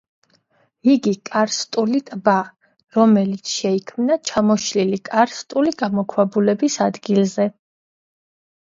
იგი კარსტული ტბაა, რომელიც შეიქმნა ჩამოშლილი კარსტული გამოქვაბულების ადგილზე.